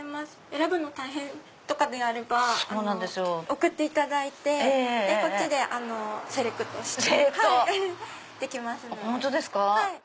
選ぶの大変とかであれば送っていただいてこっちでセレクトしてできますので。